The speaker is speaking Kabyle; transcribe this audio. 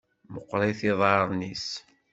Meqqerit yiḍarren-is.